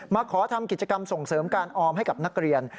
มาขอทำกิจกรรมส่งเสริมการออมให้กับนักเรียน